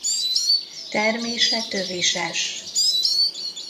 Termése tövises.